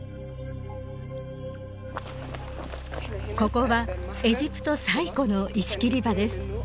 ここはエジプト最古の石切り場です